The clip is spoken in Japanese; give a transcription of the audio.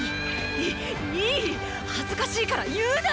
いいいっ恥ずかしいから言うな！